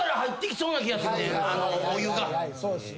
そうですね。